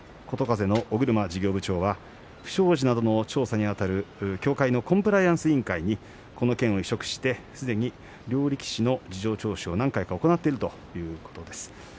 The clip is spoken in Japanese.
琴風の尾車事業部長は不祥事などの調査にあたる協会のコンプライアンス委員会にこの件を委嘱してすでに両力士の事情聴取を何回か行っているということです。